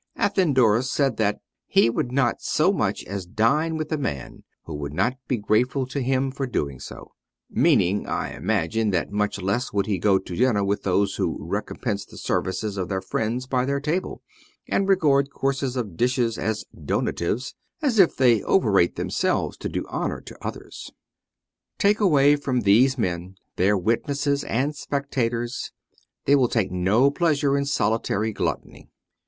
Athenodorus said that " he would not so much as dine with a man who would not be grateful to him for doing so ": meaning, I imagine, that much less would he go to dinner with those who recompense the services of their friends by their table, and regard courses of dishes as donatives, as if they over ate themselves to do honour to others. Take away from these men their witnesses and spectators : they will take no pleasure in solitary gluttony.